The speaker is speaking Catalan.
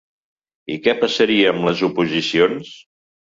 I què passaria amb les oposicions?